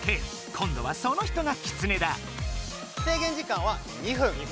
こんどはその人がキツネだ。